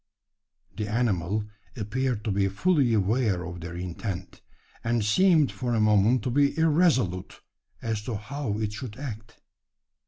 The animal appeared to be fully aware of their intent; and seemed for a moment to be irresolute as to how it should act.